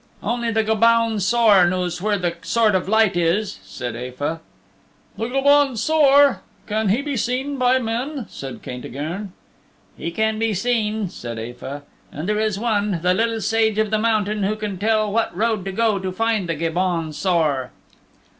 "Only the Gobaun Saor knows where the Sword of Light is," said Aefa. "The Gobaun Saor! Can he be seen by men?" said Caintigern. "He can be seen," said Aefa. "And there is one the Little Sage of the Mountain who can tell what road to go to find the Gobaun Saor."